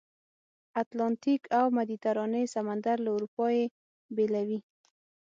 اتلانتیک او مدیترانې سمندر له اروپا یې بېلوي.